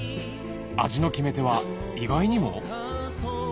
味の決め手は意外にも？